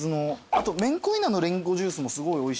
あとめんこいなのりんごジュースもすごいおいしいんで。